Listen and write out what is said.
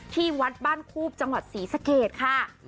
ที่วัดบ้านคูบจังหวัดศรีสะเกดค่ะ